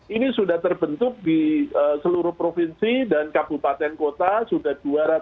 ini sudah terbentuk di seluruh provinsi dan kabupaten kota sudah dua ratus tiga puluh